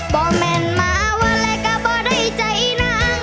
บ่แม่นมาวะและกะบ่ได้ใจนะ